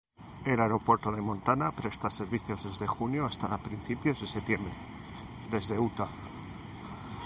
El aeropuerto de Montana, presta servicios desde junio hasta principios de septiembre, desde Utah.